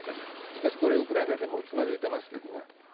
しかし、これはウクライナでもうつまずいていますけどね。